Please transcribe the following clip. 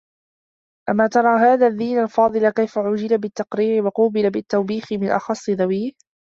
أَمَا تَرَى هَذَا الدَّيِّنَ الْفَاضِلَ كَيْفَ عُوجِلَ بِالتَّقْرِيعِ وَقُوبِلَ بِالتَّوْبِيخِ مِنْ أَخَصِّ ذَوِيهِ